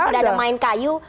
tidak ada main kayu